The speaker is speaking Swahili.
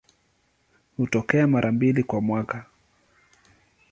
Hutokea mara mbili kwa mwaka.